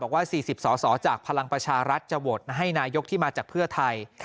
ว่า๔๐สอสอจากพลังประชารัฐจะโหวตให้นายกที่มาจากเพื่อไทย